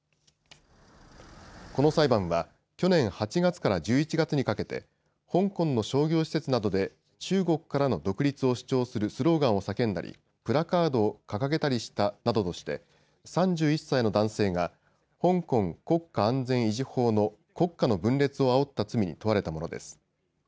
この裁判は去年８月から１１月にかけて香港の商業施設などで中国からの独立を主張するスローガンを叫んだりプラカードを掲げたりしたなどとして３１歳の男性が香港国家安全維持法の国家の分裂をあおった罪に問われたものです。